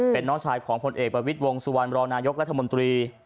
เป็นน้องชายของผลเอกประวิทย์วงสุวรรณรองนายกรัฐมนตรี